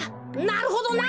なるほどな！